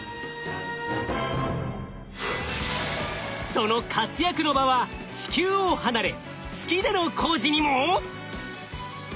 その活躍の場は地球を離れ月での工事にも！？